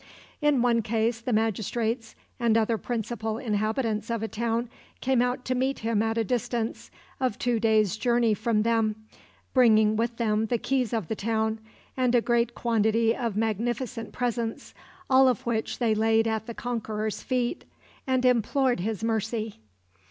In one case the magistrates and other principal inhabitants of a town came out to meet him a distance of two days' journey from them, bringing with them the keys of the town, and a great quantity of magnificent presents, all of which they laid at the conqueror's feet, and implored his mercy.